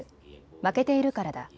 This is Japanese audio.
負けているからだ。